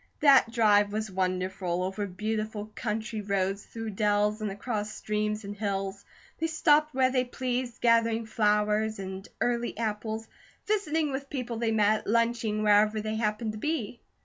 That drive was wonderful, over beautiful country roads, through dells, and across streams and hills. They stopped where they pleased, gathering flowers and early apples, visiting with people they met, lunching wherever they happened to be.